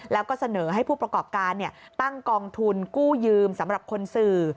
แล้วก็เสนอให้ผู้ประกอบการตั้งกองทุนกู้ยืมสำหรับคนสื่อ